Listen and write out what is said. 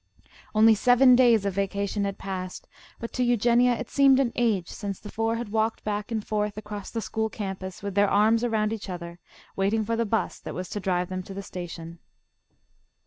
Only seven days of vacation had passed, but to Eugenia it seemed an age since the four had walked back and forth across the school campus, with their arms around each other, waiting for the 'bus that was to drive them to the station.